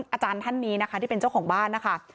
อาจารย์ท่านนี้นะคะที่เป็นเจ้าของบ้านนะคะ